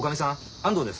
安藤です。